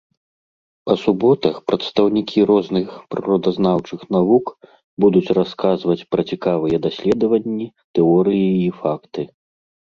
Па суботах прадстаўнікі розных прыродазнаўчых навук будуць расказваць пра цікавыя даследаванні, тэорыі і факты.